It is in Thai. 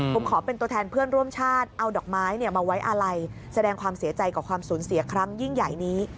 ผมขอเป็นตัวแทนเพื่อนร่วมชาติเอาดอกไม้มาไว้อาลัยแสดงความเสียใจกับความสูญเสียครั้งยิ่งใหญ่นี้